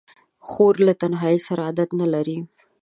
خور له تنهایۍ سره عادت نه لري.